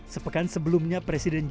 sepekan sebelumnya presiden jokowi